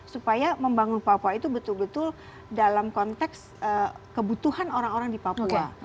supaya membangun papua itu betul betul dalam konteks kebutuhan orang orang di papua